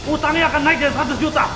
utangnya akan naik dari seratus juta